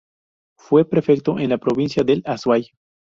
Fue prefecto de la provincia del Azuay.